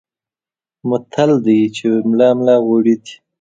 متل دی چې ملا ملا غوړي دي.